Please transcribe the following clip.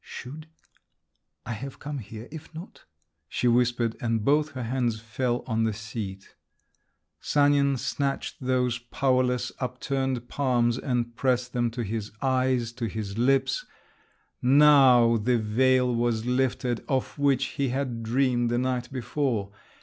"Should … I have come here, if not?" she whispered, and both her hands fell on the seat. Sanin snatched those powerless, upturned palms, and pressed them to his eyes, to his lips…. Now the veil was lifted of which he had dreamed the night before!